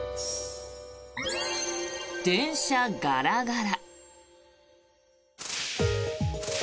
電車ガラガラ。